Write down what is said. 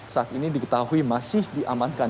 saat ini diketahui masih diamankan